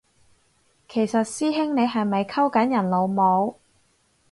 其實師兄你係咪溝緊人老母？